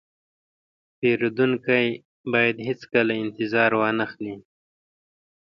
پیرودونکی باید هیڅکله انتظار وانهخلي.